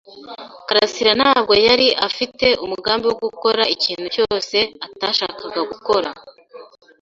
karasira ntabwo yari afite umugambi wo gukora ikintu cyose atashakaga gukora.